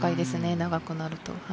長くなると。